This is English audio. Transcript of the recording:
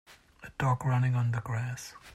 A dog running on the grass